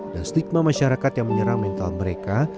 dan stigma masyarakat yang menyerang mental mereka